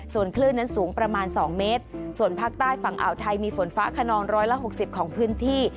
ส่วนคลื่นนั้นสูงประมาณสองเมตรส่วนภาคใต้ฝั่งอ่าวไทยมีฝนฟ้าขนองร้อยละหกสิบของพื้นที่